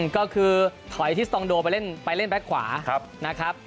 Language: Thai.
ก็คือถอยที่สตองโดไปเล่นแบ็คขวานะครับ